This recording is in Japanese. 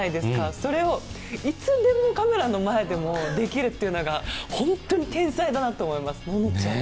それをいつでもカメラの前でもできるっていうのが本当に天才だなと思いますののちゃん。